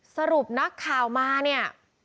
สรุปนักข่าวมาเนี่ย